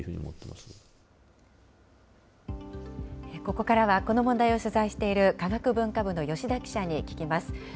ここからはこの問題を取材している科学文化部の吉田記者に聞きます。